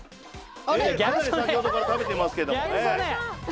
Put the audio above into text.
かなり先ほどから食べてますけどもね。